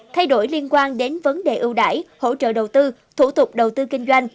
thay đổi liên quan đến vấn đề ưu đải hỗ trợ đầu tư thủ tục đầu tư kinh doanh